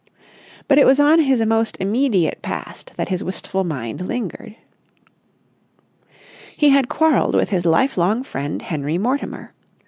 But it was on his most immediate past that his wistful mind lingered. He had quarrelled with his lifelong friend, Henry Mortimer.